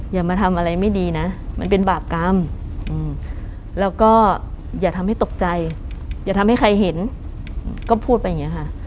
อย่ามาทำอะไรไม่ดีนะมันเป็นบาปกรรมแล้วก็อย่าทำให้ตกใจอย่าทำให้ใครเห็นก็พูดไปอย่างนี้ค่ะ